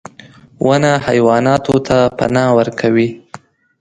• ونه حیواناتو ته پناه ورکوي.